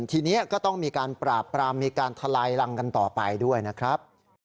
ทีนี้ก็ต้องมีการปราบปรามมีการทะลายรังกันต่อไปด้วยนะครับ